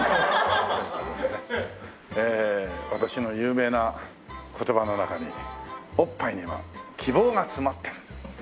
ええ私の有名な言葉の中に「おっぱいには希望が詰まってる」。